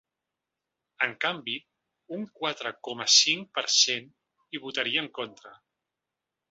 En canvi, un quatre coma cinc per cent hi votaria en contra.